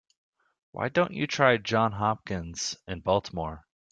Why don't you try Johns Hopkins in Baltimore?